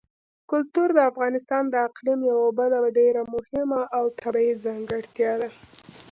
کلتور د افغانستان د اقلیم یوه بله ډېره مهمه او طبیعي ځانګړتیا ده.